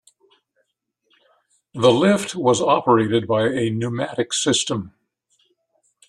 The lift was operated by a pneumatic system.